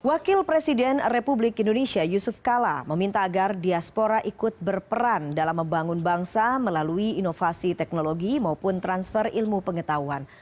wakil presiden republik indonesia yusuf kala meminta agar diaspora ikut berperan dalam membangun bangsa melalui inovasi teknologi maupun transfer ilmu pengetahuan